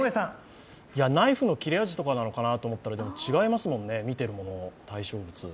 ナイフの切れ味なのかなと思ったら、違いますもんね、見てるもの、対象物。